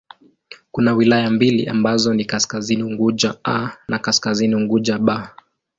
Kuna wilaya mbili ambazo ni Kaskazini Unguja 'A' na Kaskazini Unguja 'B'.